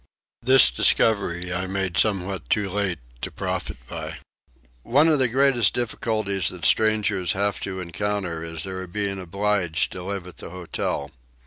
This discovery I made somewhat too late to profit by. One of the greatest difficulties that strangers have to encounter is their being obliged to live at the hotel.